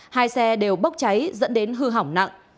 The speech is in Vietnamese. hai xe đều bốc cháy dẫn đến hư hỏng nặng